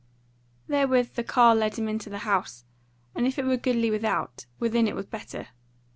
Therewith the carle led him into the house; and if it were goodly without, within it was better.